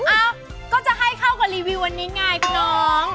อ้าวก็จะให้เข้ากับรีวิววันนี้ง่ายพี่น้อง